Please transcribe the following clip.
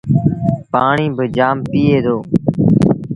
پآڻيٚ با جآم پييٚئي دو۔